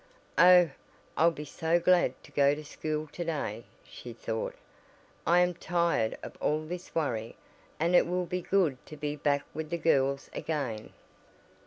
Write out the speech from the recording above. "Oh, I'll be so glad to go to school to day," she thought. "I am tired of all this worry, and it will be good to be back with the girls again."